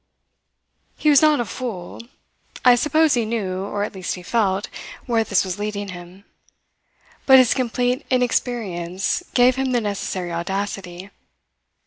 He was not a fool. I suppose he knew or at least he felt where this was leading him. But his complete inexperience gave him the necessary audacity.